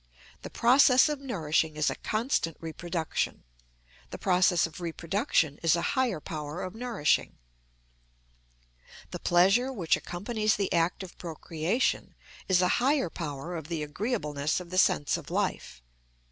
The process of nourishing is a constant reproduction; the process of reproduction is a higher power of nourishing. The pleasure which accompanies the act of procreation is a higher power of the agreeableness of the sense of life.